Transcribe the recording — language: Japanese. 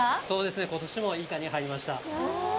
そうですねことしもいいカニがはいりました。